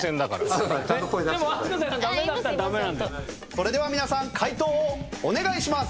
それでは皆さん解答をお願いします！